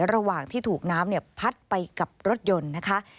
ระหว่างที่ถูกน้ำพัดไปกับรถยนต์นะคะ